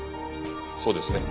そうですね？